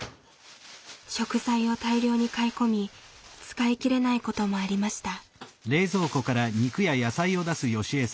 食材を大量に買い込み使い切れないこともありました。